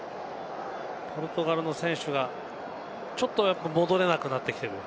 ポルトガルの選手はちょっと戻れなくなってきている。